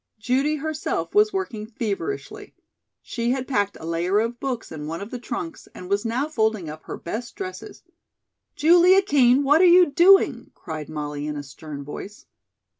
Judy herself was working feverishly. She had packed a layer of books in one of the trunks and was now folding up her best dresses. "Julia Kean, what are you doing?" cried Molly in a stern voice.